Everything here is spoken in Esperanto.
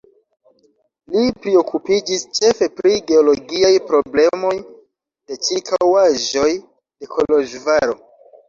Li priokupiĝis ĉefe pri geologiaj problemoj de ĉirkaŭaĵoj de Koloĵvaro.